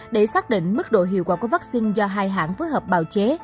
để xác định mức độ hiệu quả của vaccine do hai hãng phối hợp bào chế